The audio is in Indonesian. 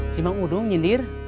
simak udung nyindir